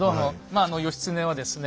あ義経はですね